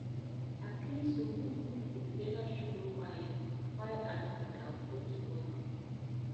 Akisuwək lukuɗɗe na sləma may pay an kəpelsouwa.